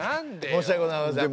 申し訳ございません。